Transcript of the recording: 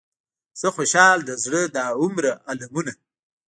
زه خوشحال د زړه دا هومره المونه.